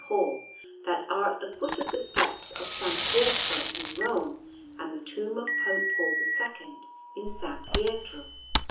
Paul that are at the foot of the steps of S. Pietro in Rome, and the tomb of Pope Paul II in S. Pietro.